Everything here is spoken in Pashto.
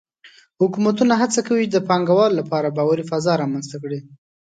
حکومتونه هڅه کوي چې د پانګهوالو لپاره باوري فضا رامنځته کړي.